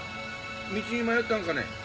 道に迷ったんかね？